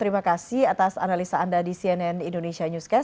terima kasih atas analisa anda di cnn indonesia newscast